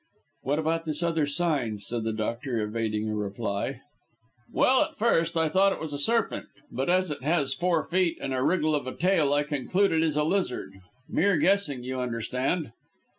"What about this other sign?" said the doctor, evading a reply. "Well, at first I thought it was a serpent, but as it has four feet and a wriggle of a tail, I conclude it is a lizard. Mere guessing, you understand."